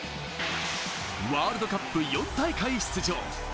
ワールドカップ４大会出場。